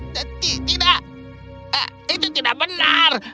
tidak itu tidak benar